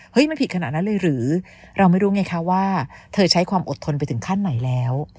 มันผิดขนาดนั้นเลยหรือเราไม่รู้ไงคะว่าเธอใช้ความอดทนไปถึงขั้นไหนแล้ว